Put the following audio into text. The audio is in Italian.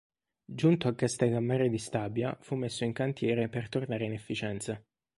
Giunto a Castellammare di Stabia, fu messo in cantiere per tornare in efficienza.